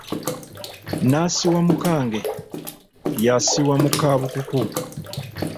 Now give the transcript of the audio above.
N'asiwa mu kange, y'asiwa mu ka bukuku.